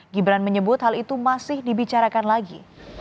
gibran menyebut hal itu masih dibicarakan lagi